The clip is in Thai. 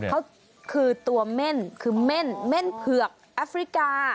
เขาคือตัวเม่นคือเม่นเม่นเผือกแอฟริกา